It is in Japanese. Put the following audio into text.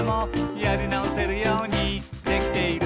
「やりなおせるようにできている」